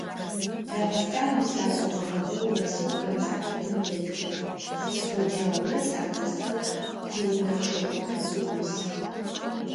Дагъыстан усэкӏо цӏэрыӀоу Расул Гамзатовым етхы: «Сикъоджэгъумэ сахэсэу тиунэ пчъэӏупэ тыӏус».